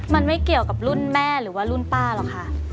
มันไม่เกี่ยวกับรุ่นแม่หรือว่ารุ่นป้าหรอกค่ะ